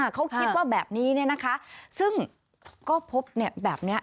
เขาคิดว่าแบบนี้ซึ่งก็พบแบบนี้